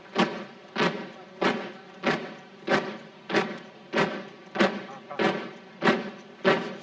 kembali ke tempat